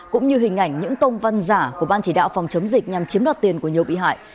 cũng như hình ảnh những tông văn giả của ban chỉ đạo phòng chống dịch nhằm chiếm đoạt tiền của nhiều bị hại